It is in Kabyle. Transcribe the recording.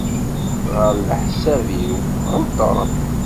Ɣef leḥsab-iw tɣelṭem.